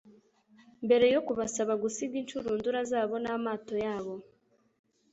Mbere yo kubasaba gusiga inshurudura zabo n'amato yabo,